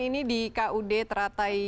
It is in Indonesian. ini di kud teratai